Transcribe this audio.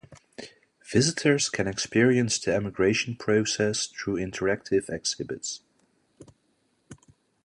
Visitors can experience the emigration process through interactive exhibits.